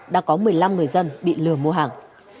đã có một mươi năm người dân bị lừa mua hàng